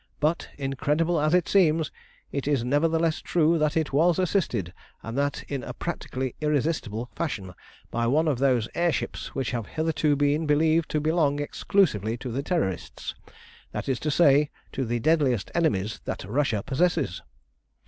But, incredible as it seems, it is nevertheless true that it was assisted, and that in a practically irresistible fashion, by one of those air ships which have hitherto been believed to belong exclusively to the Terrorists, that is to say, to the deadliest enemies that Russia possesses.